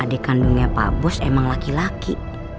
adik kandungnya pak bus emang laki laki